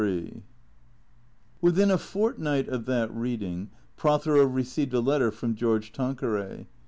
XXIII WITHIN" a fortnight of that reading Prothero received a letter from George Tanqueray.